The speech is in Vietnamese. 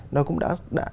nó cũng đã